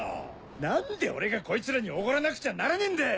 ・何で俺がこいつらにおごらなくちゃならねえんだ！